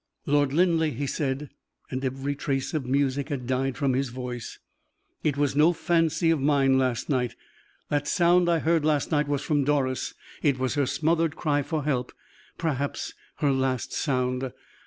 "Lord Linleigh," he said, and every trace of music had died from his voice, "it was no fancy of mine last night that sound I heard last night was from Doris: it was her smothered cry for help, perhaps her last sound.